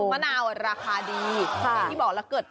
มะนาวราคาดี